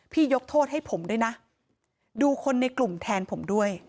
ยกโทษให้ผมด้วยนะดูคนในกลุ่มแทนผมด้วย